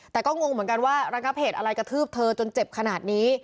แต่ก็งงเหมือนกันว่าระงับเหตุอะไรกระทืบเธอจนเจ็บขนาดนี้